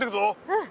うん。